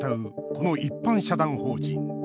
この一般社団法人。